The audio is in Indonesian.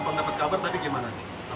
kalau dapat kabar tadi gimana